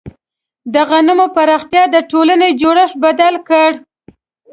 د غنمو پراختیا د ټولنې جوړښت بدل کړ.